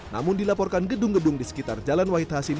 namun dilaporkan gedung gedung di sekitar jalan wahid hasim